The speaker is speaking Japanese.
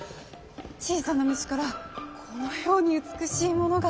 小さな虫からこのように美しいものが。